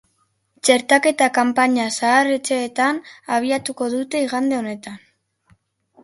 Txertaketa kanpaina zahar-etxeetan abiatuko dute igande honetan.